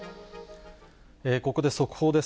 ここで速報です。